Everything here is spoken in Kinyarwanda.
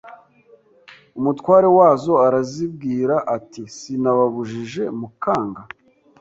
Umutware wazo arazibwira ati sinababujije mukanga